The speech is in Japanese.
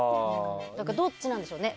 どっちなんでしょうね。